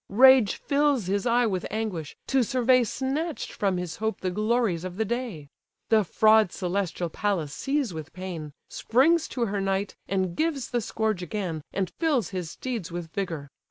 Rage fills his eye with anguish, to survey Snatch'd from his hope the glories of the day. The fraud celestial Pallas sees with pain, Springs to her knight, and gives the scourge again, And fills his steeds with vigour.